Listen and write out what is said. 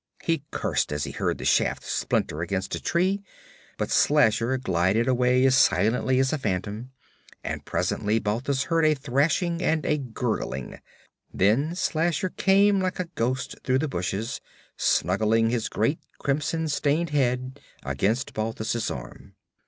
He cursed as he heard the shaft splinter against a tree, but Slasher glided away as silently as a phantom, and presently Balthus heard a thrashing and a gurgling; then Slasher came like a ghost through the bushes, snuggling his great, crimson stained head against Balthus' arm.